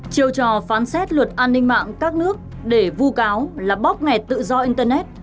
chiều trò phán xét luật an ninh mạng các nước để vu cáo là bóc nghẹt tự do internet